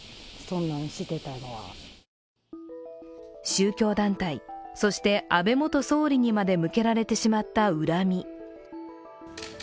宗教団体、そして安倍元総理にまで向けられてしまった恨み。